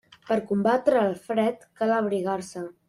Per combatre el fred, cal abrigar-se.